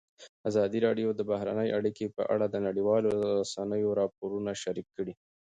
ازادي راډیو د بهرنۍ اړیکې په اړه د نړیوالو رسنیو راپورونه شریک کړي.